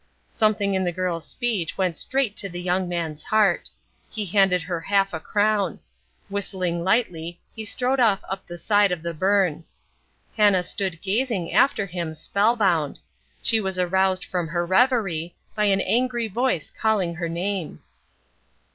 Something in the girl's speech went straight to the young man's heart. He handed her half a crown. Whistling lightly, he strode off up the side of the burn. Hannah stood gazing after him spell bound. She was aroused from her reverie by an angry voice calling her name.